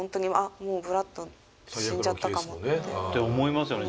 もうブラッド死んじゃったかもって。って思いますよね